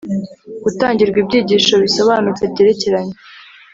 gutangirwa ibyigisho bisobanutse byerekeranye